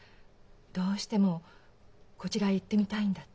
「どうしてもこちらへ行ってみたいんだ」